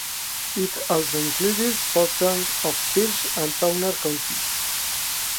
It also includes portions of Pierce and Towner counties.